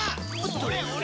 それ俺の！